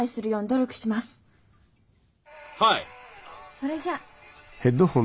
・それじゃ。